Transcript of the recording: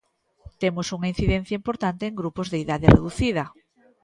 Temos unha incidencia importante en grupos de idade reducida.